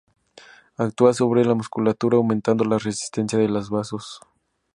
Actúa sobre la musculatura aumentando la resistencia de los vasos.